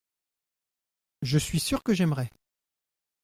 Je suis sûr que j’aimerais.